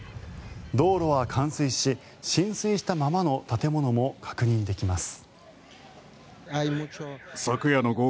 道路は冠水し浸水したままの建物も確認できます。